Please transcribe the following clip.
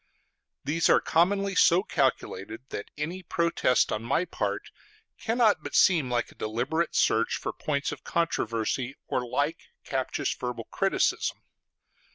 These are commonly so calculated that any protest on my part cannot but seem like a deliberate search for points of controversy or like captious verbal criticism.